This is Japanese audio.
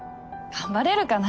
頑張れるかな？